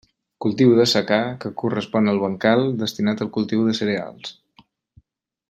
Cultiu de secà, que correspon al bancal destinat al cultiu de cereals.